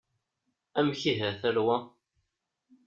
Amek ihi a tarwa?